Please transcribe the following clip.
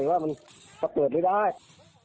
มันประเติบไม่ได้